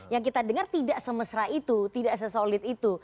yang kita dengar tidak semesra itu tidak sesolid itu